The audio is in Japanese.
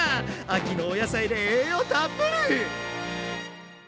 秋のお野菜で栄養たっぷり！